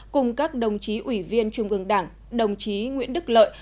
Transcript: cùng các đồng chí ủy viên trung ương đảng đồng chí nguyễn đức lợi